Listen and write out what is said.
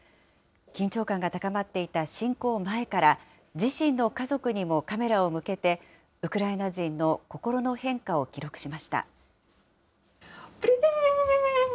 緊張感が高まっていた侵攻前から、自身の家族にもカメラを向けて、ウクライナ人の心の変化を記録しました。